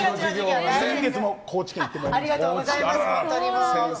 先月は高知県に行ってまいりました。